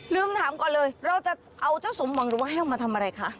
ลืมถามก่อนเลยเราจะเอาเจ้าสมหวังหรือว่าแห้วมาทำอะไรคะ